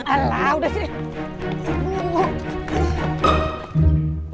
alah udah sih